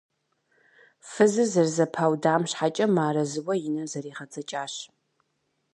Фызыр зэрызэпаудам щхьэкӀэ мыарэзыуэ и нэр зэригъэдзэкӀащ.